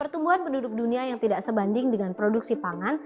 pertumbuhan penduduk dunia yang tidak sebanding dengan produksi pangan